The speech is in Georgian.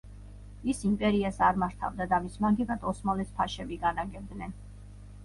ის იმპერიას არ მართავდა და მის მაგივრად ოსმალეთს ფაშები განაგებდნენ.